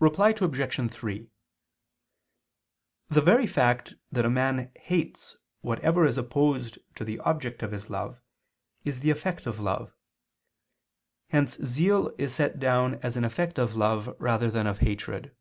Reply Obj. 3: The very fact that a man hates whatever is opposed to the object of his love, is the effect of love. Hence zeal is set down as an effect of love rather than of hatred.